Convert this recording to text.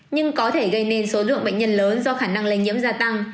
nhưng có thể gây nên số lượng bệnh nhân lớn do khả năng lây nhiễm gia tăng